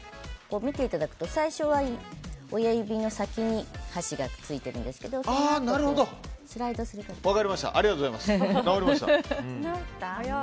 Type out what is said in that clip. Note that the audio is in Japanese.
見ていただくと最初は親指の先に箸がついてるんですけどスライドする感じです。